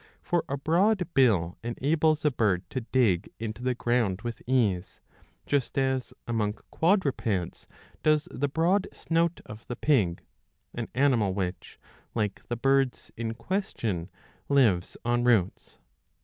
For a broad bill enables a bird to dig into the ground with ease, just as, among quadrupeds, does the broad snout of the pig, an animal which, like the birds in question, lives on roots.